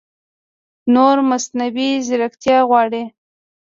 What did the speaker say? نوره مصنعوي ځېرکتیا غواړي